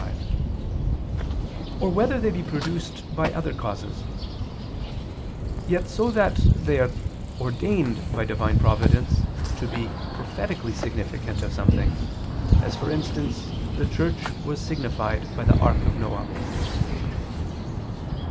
5:) or whether they be produced by other causes; yet so that they are ordained by Divine providence to be prophetically significant of something, as, for instance, the Church was signified by the ark of Noah.